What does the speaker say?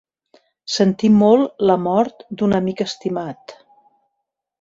Sentir molt la mort d'un amic estimat.